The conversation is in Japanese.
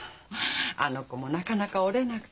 あの子もなかなか折れなくて。